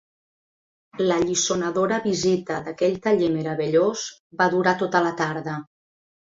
L'alliçonadora visita d'aquell taller meravellós va durar tota la tarda.